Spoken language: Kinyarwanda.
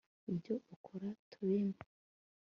ibyo ukora, tubime